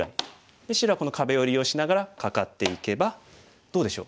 で白はこの壁を利用しながらカカっていけばどうでしょう？